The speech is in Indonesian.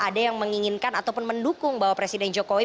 ada yang menginginkan ataupun mendukung bahwa presiden jokowi